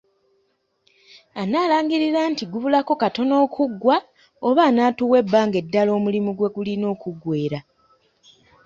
Anaalangirira nti gabulako katono okuggwa oba anaatuwa ebbanga eddala omulimu gwe gulina okuggweera?